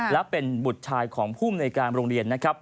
และเป็นบุตรชายของผู้บริษัยการโรงเรียน